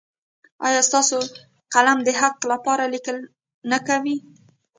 ایا ستاسو قلم د حق لپاره لیکل نه کوي؟